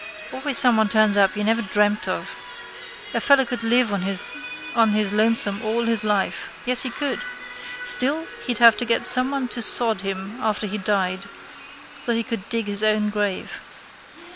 Always someone turns up you never dreamt of. A fellow could live on his lonesome all his life. Yes, he could. Still he'd have to get someone to sod him after he died though he could dig his own grave.